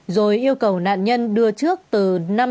rồi yêu cầu nạn nhân đưa trước từ năm triệu đồng